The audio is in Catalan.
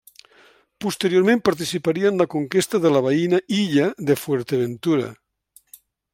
Posteriorment participaria en la conquesta de la veïna illa de Fuerteventura.